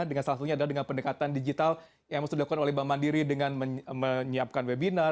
dengan salah satunya adalah dengan pendekatan digital yang sudah dilakukan oleh bank mandiri dengan menyiapkan webinar